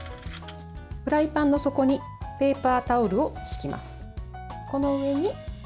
フライパンの底にペーパータオルを敷きます。